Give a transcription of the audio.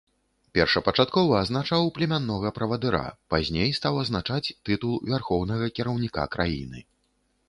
Першапачаткова азначаў племяннога правадыра, пазней стаў азначаць тытул вярхоўнага кіраўніка краіны.